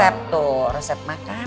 resep tuh resep makanan